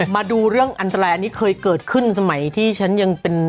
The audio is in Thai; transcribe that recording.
มาดูเรื่องอันตรายอันนี้เคยเกิดขึ้นสมัยที่ฉันยังเป็น